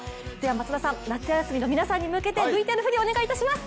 松田さん、夏休みの皆さんに向けてＶＴＲ振り、お願いします。